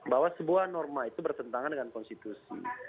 bahwa sebuah norma itu bertentangan dengan konstitusi